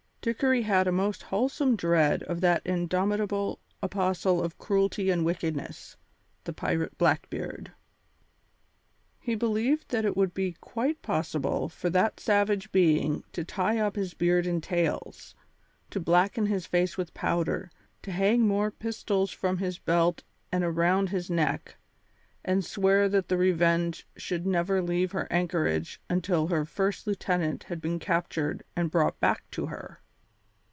Dickory had a most wholesome dread of that indomitable apostle of cruelty and wickedness, the pirate Blackbeard. He believed that it would be quite possible for that savage being to tie up his beard in tails, to blacken his face with powder, to hang more pistols from his belt and around his neck, and swear that the Revenge should never leave her anchorage until her first lieutenant had been captured and brought back to her.